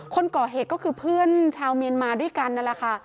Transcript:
คนก่อเหตุก็คือเพื่อนชาวเมียนมาด้วยกันนั่นแหละค่ะ